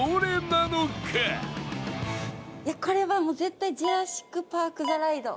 これはもう絶対ジュラシック・パーク・ザ・ライド。